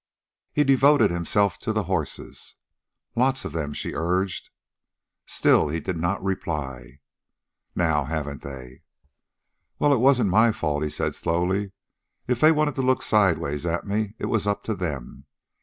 He devoted himself to the horses. "Lots of them," she urged. Still he did not reply. "Now, haven't they?" "Well, it wasn't my fault," he said slowly. "If they wanted to look sideways at me it was up to them.